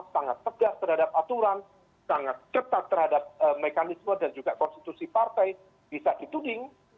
sangat tegas terhadap aturan sangat ketat terhadap mekanisme dan juga konstitusi partai bisa dituding